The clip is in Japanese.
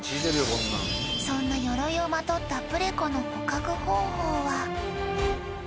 そんな鎧をまとったプレコのうわあ